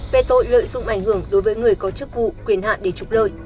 về tội lợi dụng ảnh hưởng đối với người có chức vụ quyền hạn để trục lợi